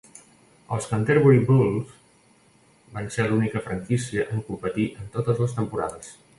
Els Canterbury Bulls van ser l'única franquícia en competir en totes les temporades.